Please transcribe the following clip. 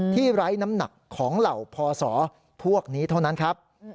ไร้น้ำหนักของเหล่าพศพวกนี้เท่านั้นครับ